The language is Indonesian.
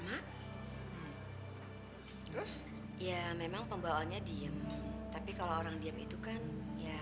mak terus ya memang pembawaannya diem tapi kalau orang diem itu kan ya